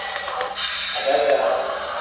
Adakaa.